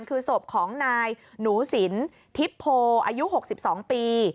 คือศพของนายหนูสินทิพโพอายุ๖๒ปี